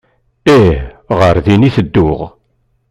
Ih, ɣer din i tedduɣ.